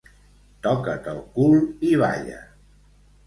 Toca't el cul i balla.